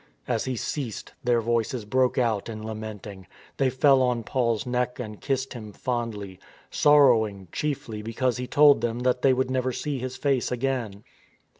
As he ceased, their voices broke out in lamenting. They fell on Paul's neck and kissed him fondly, sorrowing chiefly because he told them that they would never see his face again.